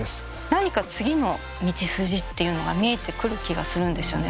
何か次の道筋っていうのが見えてくる気がするんですよね。